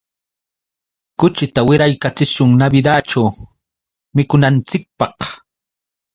Kuchita wiraykachishun Navidadćhu mikunanchikpaq.